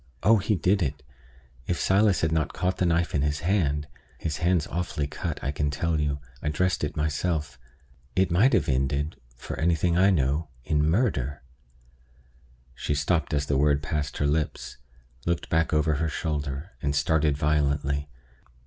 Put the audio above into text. Oh, he did it! If Silas had not caught the knife in his hand (his hand's awfully cut, I can tell you; I dressed it myself), it might have ended, for anything I know, in murder " She stopped as the word passed her lips, looked back over her shoulder, and started violently.